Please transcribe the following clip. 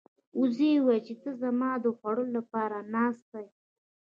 وزې وویل چې ته زما د خوړلو لپاره ناست یې.